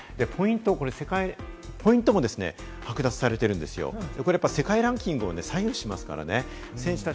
ポイントも剥奪されているんですよ、これ世界ランキングを左右しますからね。